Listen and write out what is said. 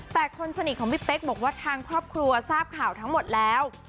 แต่คนสนิทของพี่เป๊กบอกว่าทางครอบครัวทราบข่าวทั้งหมดแล้ว